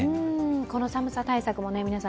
この寒さ対策も皆さん